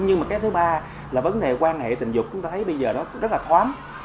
nhưng mà cái thứ ba là vấn đề quan hệ tình dục chúng ta thấy bây giờ nó rất là thoáng